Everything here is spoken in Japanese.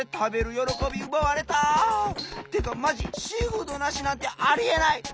よろこびうばわれた！ってかマジシーフードなしなんてありえない！